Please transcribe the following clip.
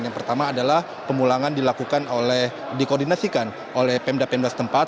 yang pertama adalah pemulangan dilakukan oleh dikoordinasikan oleh pemda pemda setempat